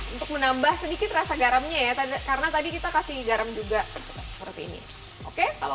untuk menambah sedikit rasa garamnya ya karena tadi kita kasih garam juga seperti ini oke kalau